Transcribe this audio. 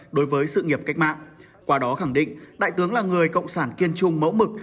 đối với sự nghiệp cách mạng qua đó khẳng định đại tướng là người cộng sản kiên trung mẫu mực